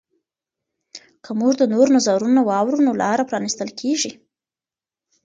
که موږ د نورو نظرونه واورو نو لاره پرانیستل کیږي.